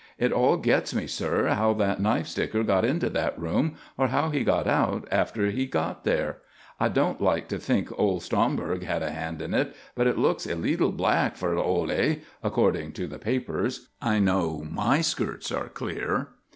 It all gets me, sir, how that knife sticker got into that room or how he got out after he got there. I don't like to think Ole Stromberg had a hand in it, but it looks a leetle black for Ole, according to the papers. I know my skirts are clear."